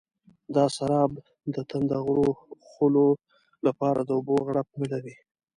دا سراب د تنده غرو خولو لپاره د اوبو غړپ نه لري.